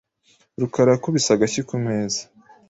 rukara yakubise agashyi ku meza .